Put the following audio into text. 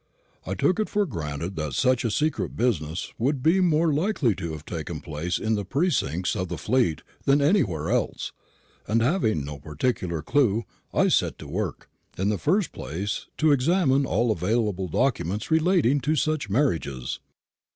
I took it for granted that such a secret business would be more likely to have taken place in the precincts of the Fleet than anywhere else; and having no particular clue, I set to work, in the first place, to examine all available documents relating to such marriages."